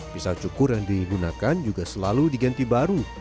pisau cukur yang digunakan juga selalu diganti baru